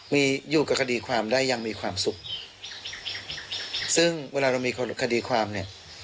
มีอยู่กับคดีความได้ยังมีความสุขซึ่งเวลาเรามีคดีความเนี่ย